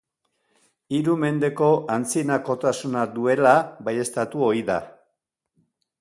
Hiru mendeko antzinakotasuna duela baieztatu ohi da.